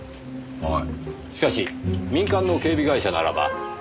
はい？